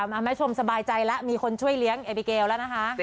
เอาไม่ชมสบายใจมีคนช่วยเลี้ยงเอบีเกลล์นะฮะ